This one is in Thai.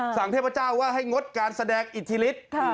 เทพเจ้าว่าให้งดการแสดงอิทธิฤทธิ์